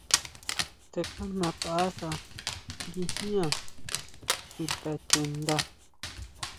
Tsakjajnataʼsa guijñá chuta chuʼnda.